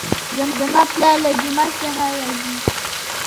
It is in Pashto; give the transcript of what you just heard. زما پلار له جومات څخه راځي